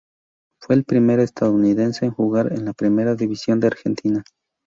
Fue el primer estadounidense en jugar en la Primera División de Argentina.